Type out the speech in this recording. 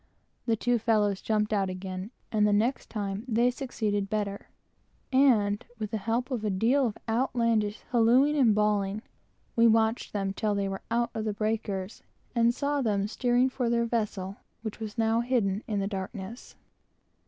The two fellows jumped out again; and the next time they succeeded better, and, with the help of a deal of outlandish hallooing and bawling, got her well off. We watched them till they were out of the breakers, and saw them steering for their vessel, which was now hidden in the darkness.